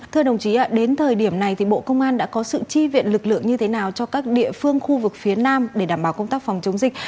thưa đồng chí đến thời điểm này thì bộ công an đã có sự chi viện lực lượng như thế nào cho các địa phương khu vực phía nam để đảm bảo công tác phòng chống dịch